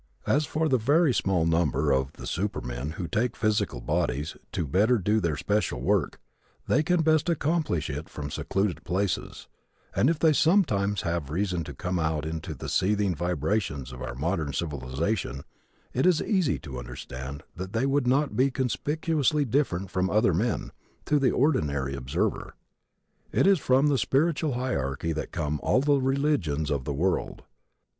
As for the very small number of the supermen who take physical bodies to better do their special work, they can best accomplish it from secluded places; and if they sometimes have reason to come out into the seething vibrations of our modern civilization it is easy to understand that they would not be conspicuously different from other men, to the ordinary observer. It is from the spiritual hierarchy that come all the religions of the world.